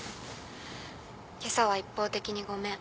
今朝は一方的にごめん。